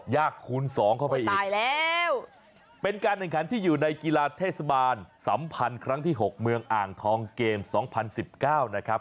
คูณ๒เข้าไปอีกแล้วเป็นการแข่งขันที่อยู่ในกีฬาเทศบาลสัมพันธ์ครั้งที่๖เมืองอ่างทองเกม๒๐๑๙นะครับ